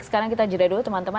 sekarang kita jeda dulu teman teman